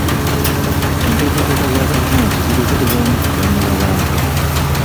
Enteekateeka za gavumenti ziruubirirwamu kuganyula bantu.